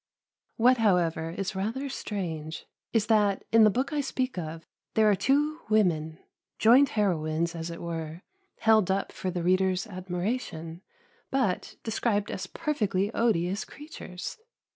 What, however, is rather strange is that, in the book I speak of, there are two women joint heroines, as it were held up for the reader's admiration, but described as perfectly odious creatures.